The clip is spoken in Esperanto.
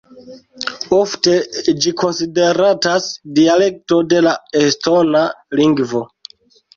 Ofte ĝi konsideratas dialekto de la estona lingvo.